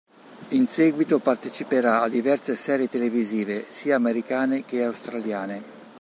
In seguito parteciperà a diverse serie televisive, sia americane che australiane.